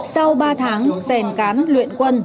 sau ba tháng rèn cán luyện quân